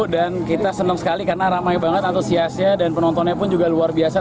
dan kita senang sekali karena ramai banget antusiasnya dan penontonnya pun juga luar biasa